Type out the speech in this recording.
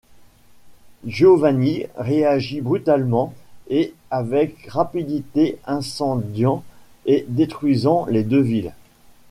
Giovanni réagit brutalement et avec rapidité incendiant et détruisant les deux villes.